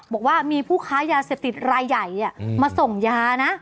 บอกว่ามีผู้ค้ายาเสพติดรายใหญ่มาส่งยานะ